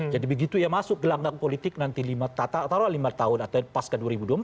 jadi begitu dia masuk ke langkah politik nanti lima tahun atau pas ke dua ribu dua puluh empat